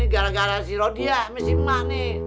gara gara si rodia si emak nih